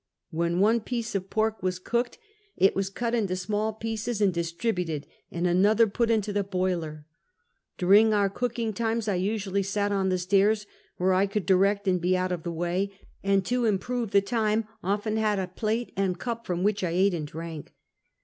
When one piece of pork was cooked, it was cut into small pieces and distributed, and another put into the boiler. During our cooking times I usually sat on the stairs, where I could direct and be out of the way; and to improve the time, often had a plate and cup from which I ate and drank.